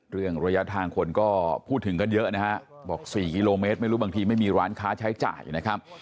ระยะทางคนก็พูดถึงกันเยอะนะฮะบอก๔กิโลเมตรไม่รู้บางทีไม่มีร้านค้าใช้จ่ายนะครับ